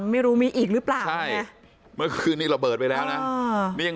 ไม่รู้มีอีกหรือเปล่าใช่เมื่อคืนนี้ระเบิดไปแล้วนะนี่ยัง